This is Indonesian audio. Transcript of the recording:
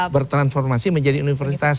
bertransformasi menjadi universitas